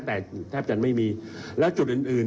แต่แทบจะไม่มีและจุดอื่น